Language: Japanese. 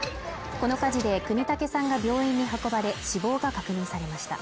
この火事で國武さんが病院に運ばれ死亡が確認されました